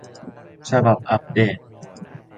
ฉบับอัปเดต